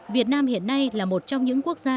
việt nam hiện nay là một trong những quốc gia